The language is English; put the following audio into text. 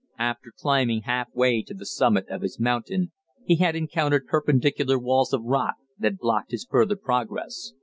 After climbing half way to the summit of his mountain, he had encountered perpendicular walls of rock that blocked his further progress.